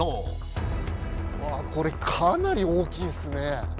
これかなり大きいですね。